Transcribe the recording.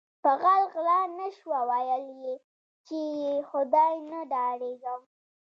په غل غلا نشوه ویل یی چې ی خدای نه ډاریږم